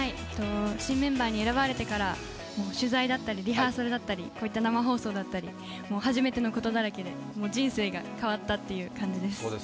新メンバーに選ばれてからリハーサルだったりこういった生放送だったり初めてのことだらけで人生が変わったっていう感じです。